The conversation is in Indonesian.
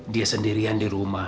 dia sendirian di rumah